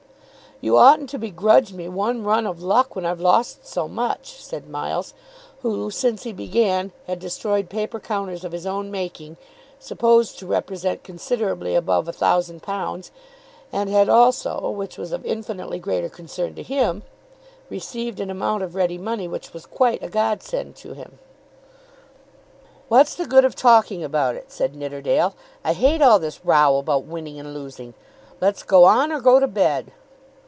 "You oughtn't to begrudge me one run of luck, when I've lost so much," said Miles, who, since he began, had destroyed paper counters of his own making, supposed to represent considerably above £1,000, and had also, which was of infinitely greater concern to him, received an amount of ready money which was quite a godsend to him. "What's the good of talking about it?" said Nidderdale. "I hate all this row about winning and losing. Let's go on, or go to bed."